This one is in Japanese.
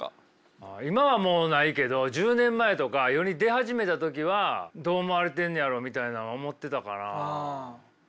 あ今はもうないけど１０年前とか世に出始めた時はどう思われてんねやろみたいなんは思ってたかな。